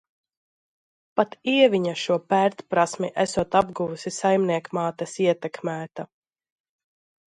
Pat Ieviņa šo pērtprasmi esot apguvusi saimniekmātes ietekmēta.